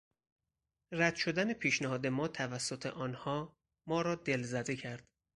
رد شدن پیشنهاد ما توسط آنها ما را دلزده کرد.